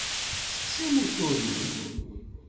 Ssexsi amutur-nni.